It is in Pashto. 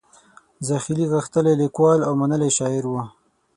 زاخیلي غښتلی لیکوال او منلی شاعر و.